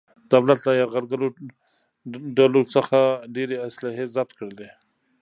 دولت له یرغلګرو ډولو څخه ډېرې اصلحې ضبط کړلې.